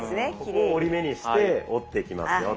ここを折り目にして折っていきますよと。